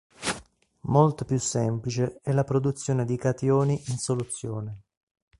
Molto più semplice è la produzione di cationi in soluzione.